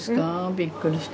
びっくりした。